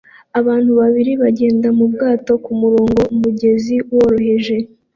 Abantu babiri bagenda mubwato kumurongo umugezi woroheje